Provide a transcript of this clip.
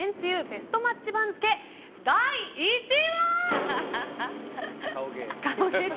ベストマッチ番付、第１位は。